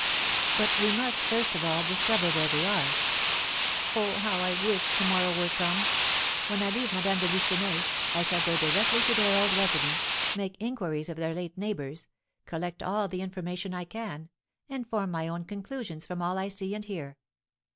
"But we must, first of all, discover where they are. Oh, how I wish to morrow were come! When I leave Madame de Lucenay, I shall go directly to their old residence, make inquiries of their late neighbours, collect all the information I can, and form my own conclusions from all I see and hear.